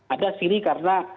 ada siri karena